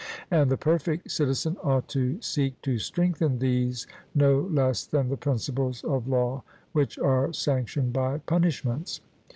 And the perfect citizen ought to seek to strengthen these no less than the principles of law which are sanctioned by punishments.